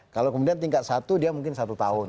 kalau kemudian tingkat satu dia mungkin satu tahun